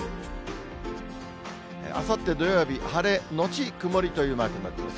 あさって土曜日、晴れ後曇りというマークになってます。